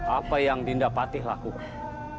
apa yang dinda patih lakukan